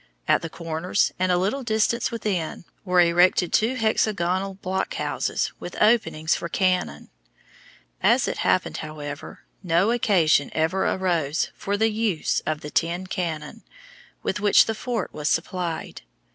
At the corners, and a little distance within, were erected two hexagonal blockhouses with openings for cannon. As it happened, however, no occasion ever arose for the use of the ten cannon with which the fort was supplied.